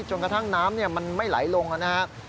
กระทั่งน้ำมันไม่ไหลลงนะครับ